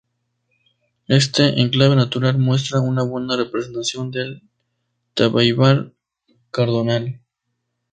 Este enclave natural muestra una buena representación del Tabaibal-Cardonal.